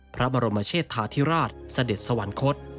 พระบรมเชษฐาธิราชเสด็จสวรรคต